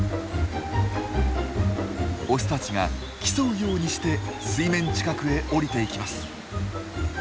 オスたちが競うようにして水面近くへ降りていきます。